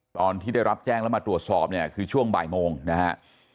ตอนที่ได้รับแจ้งแล้วมาตรวจสอบเนี่ยคือช่วงบ่ายโมงนะฮะ